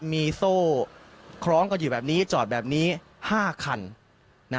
มีโซ่คล้องกันอยู่แบบนี้จอดแบบนี้๕คัน